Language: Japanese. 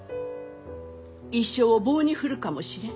一生を棒に振るかもしれん。